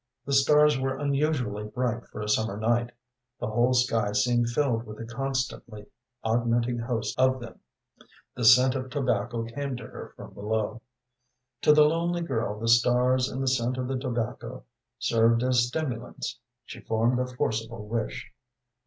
The stars were unusually bright for a summer night; the whole sky seemed filled with a constantly augmenting host of them. The scent of tobacco came to her from below. To the lonely girl the stars and the scent of the tobacco served as stimulants; she formed a forcible wish.